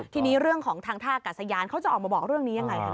ทีนี้เรื่องของทางท่ากัดสยานเขาจะออกมาบอกเรื่องนี้ยังไงคะ